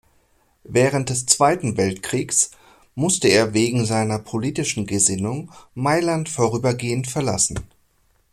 Während des Zweiten Weltkriegs musste er wegen seiner politischen Gesinnung Mailand vorübergehend verlassen.